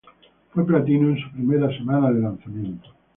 Fue platino en su primera semana de lanzamiento.